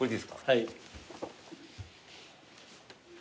はい。